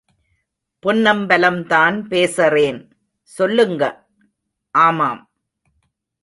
பொன்னம்பலம்தான் பேசறேன் சொல்லுங்க. ஆமாம்.